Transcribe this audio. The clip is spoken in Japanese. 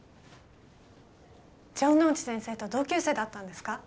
城之内先生と同級生だったんですか？